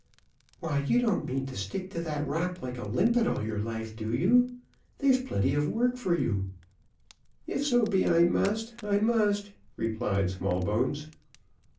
"Why, you don't mean to stick to that rock like a limpit all your life, do you? there's plenty of work for you." "If so be, I must, I must," replied Smallbones.